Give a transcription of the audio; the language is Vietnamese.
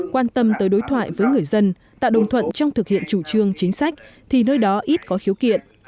quan tâm tới đối thoại với người dân tạo đồng thuận trong thực hiện chủ trương chính sách thì nơi đó ít có khiếu kiện